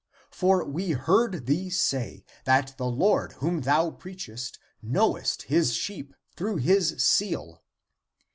For we heard thee say, that the Lord whom thou preachest knoweth his sheep through his seal."